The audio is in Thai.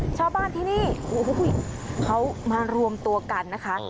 ชาวบ้านที่นี่เขามารวมตัวกันนะคะ